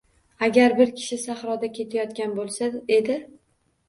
Agar bir kishi sahroda ketayotgan boʻlsa edi.